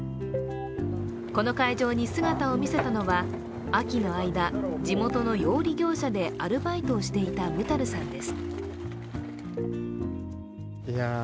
この会場に姿を見せたのは秋の間、地元の養鯉業者でアルバイトをしていたムタルさんです。